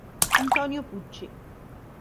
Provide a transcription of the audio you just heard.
Antonio Pucci